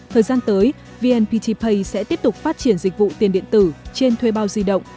thời gian tới vnpt pay sẽ tiếp tục phát triển dịch vụ tiền điện tử trên thuê bao di động